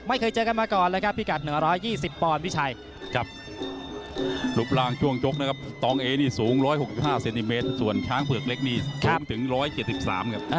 ไม่เคยเจอกันมาก่อนเลยครับพิกัด๑๒๐ปอนด์พี่ชัยกับรูปร่างช่วงชกนะครับตองเอนี่สูง๑๖๕เซนติเมตรส่วนช้างเผือกเล็กนี่สูงถึง๑๗๓ครับ